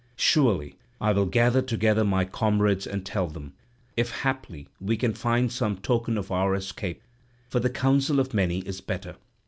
Surely I will gather together my comrades and tell them, if haply we can find some token of our escape, for the counsel of many is better."